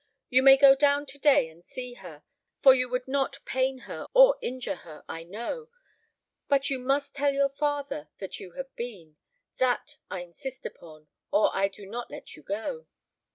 You may go down to day and see her, for you would not pain her, or injure her, I know; but you must tell your father that you have been. That I insist upon, or I do not let you go."